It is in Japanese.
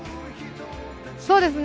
そうですね。